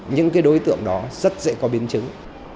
những đối tượng đó rất dễ có biến chứng